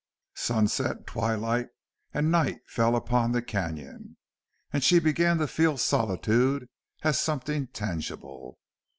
Sunset, twilight, and night fell upon the canon. And she began to feel solitude as something tangible.